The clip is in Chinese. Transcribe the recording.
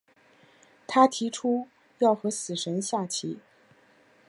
他提出要和死神下棋。